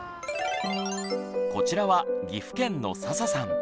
こちらは岐阜県の佐々さん。